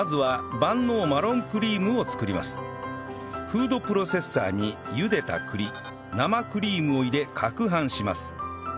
フードプロセッサーに茹でた栗生クリームを入れ攪拌します